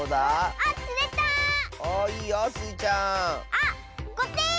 あっ５てん！